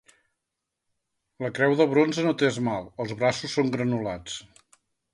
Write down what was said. La creu de bronze no té esmalt, els braços són granulats.